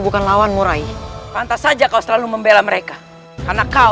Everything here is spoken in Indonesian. aku akan paksa kau melawanku